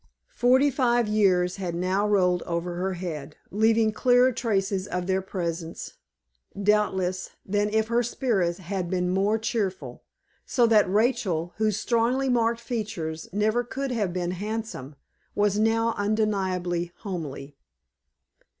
Forty five years had now rolled over her head, leaving clearer traces of their presence, doubtless, than if her spirit had been more cheerful; so that Rachel, whose strongly marked features never could have been handsome, was now undeniably homely.